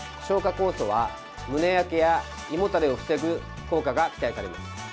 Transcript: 酵素は胸焼けや胃もたれを防ぐ効果が期待されます。